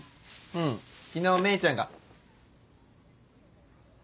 うん昨日芽衣ちゃんが。